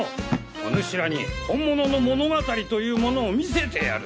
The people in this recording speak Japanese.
おぬしらに本物の物語というものを見せてやる。